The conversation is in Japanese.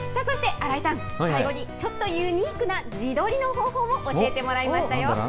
そして新井さん、最後にちょっとユニークな自撮りの方法を教えてもらいましたよ。